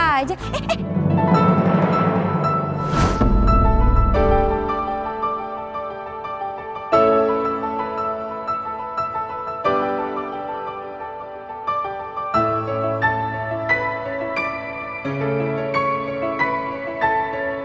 tapi kalo misalkan dia tuh udah